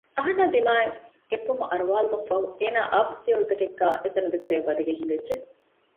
އަހަންނާ ދިމާއަށް އެއްބުމަ އަރުވާލުމަށްފަހު އޭނާ އަވަސް ފިޔަވަޅުތަކެއްގައި އެތަނުގެ ތެރެއަށް ވަދަގެން ހިނގައްޖެ